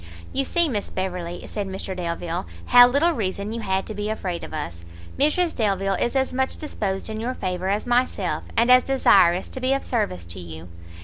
"You see, Miss Beverley," said Mr Delvile, "how little reason you had to be afraid of us; Mrs Delvile is as much disposed in your favour as myself, and as desirous to be of service to you.